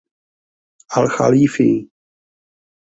Al Chalífy.